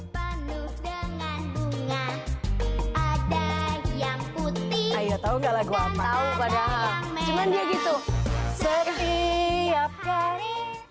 penuh dengan bunga ada yang putih tahu nggak lagu apa tahu padahal dia gitu setiap hari